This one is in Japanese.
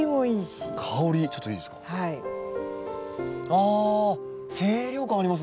あ清涼感ありますね。